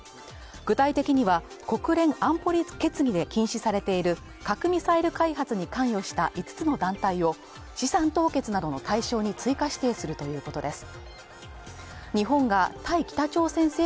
具体的には国連安保理決議で禁止されている核ミサイル開発に関与した５つの団体を資産凍結などの対象に追加指定するということです